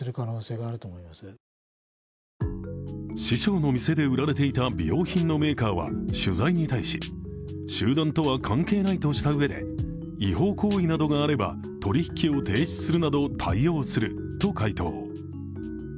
師匠の店で売られていた美容品のメーカーは取材に対し集団とは関係ないとしたうえで、違法行為などがあれば取引を停止するなど対応すると回答。